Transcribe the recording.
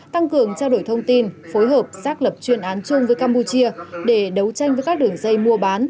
tăng cường trao đổi thông tin phối hợp xác lập chuyên án chung với campuchia để đấu tranh với các đường dây mua bán